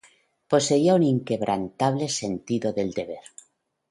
Poseía un inquebrantable sentido del deber.